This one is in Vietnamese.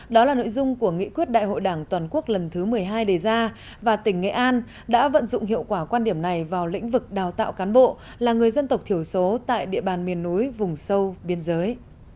đó là nội dung của nghị quyết đại hội đảng toàn quốc lần thứ một mươi hai đề ra và tỉnh nghệ an đã vận dụng hiệu quả quan điểm này vào lĩnh vực đào tạo cán bộ là người dân tộc thiểu số tại địa bàn miền núi vùng sâu biên giới